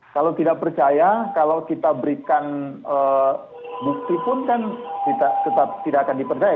kalau tidak percaya kalau kita berikan bukti pun kan kita tetap tidak akan dipercaya